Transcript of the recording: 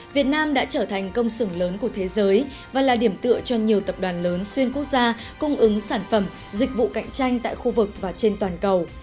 việt nam đã trở thành công sửng lớn của thế giới và là điểm tựa cho nhiều tập đoàn lớn xuyên quốc gia cung ứng sản phẩm dịch vụ cạnh tranh tại khu vực và trên toàn cầu